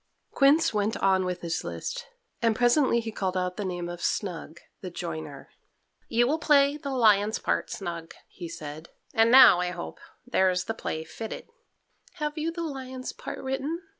Quince went on with his list, and presently he called out the name of Snug, the joiner. "You will play the lion's part, Snug," he said; "and now, I hope, there is the play fitted." "Have you the lion's part written?